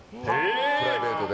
プライベートで。